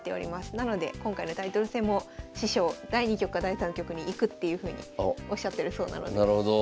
なので今回のタイトル戦も師匠第２局か第３局に行くっていうふうにおっしゃってるそうなのでなるほど。